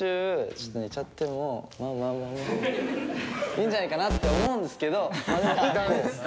いいんじゃないかなって思うんですけど。